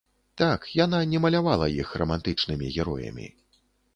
Так, яна не малявала іх рамантычнымі героямі.